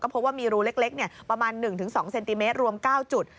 พบว่ามีรูเล็กประมาณ๑๒เซนติเมตรรวม๙จุด